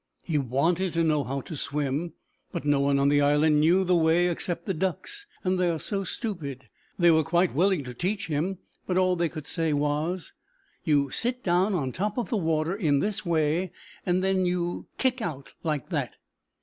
He wanted to know how to swim, but no one on the island knew the way except the ducks, and they are so stupid. They were quite willing to teach him, but all they could say about it was, "You sit down on the top of the water in this way, and then you kick out like that."